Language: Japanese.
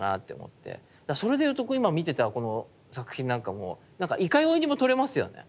だからそれで言うと今見てたこの作品なんかもいかようにも取れますよね。